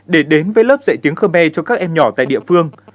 để đến với lớp dạy tiếng khmer cho các em nhỏ tại địa phương